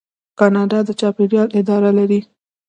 کاناډا د چاپیریال اداره لري.